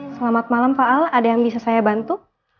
selamat malam pak al ada yang bisa saya bantu